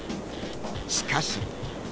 しかし。